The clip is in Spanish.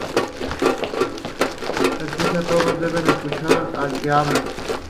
Escucha: todos deben escuchar al que habla.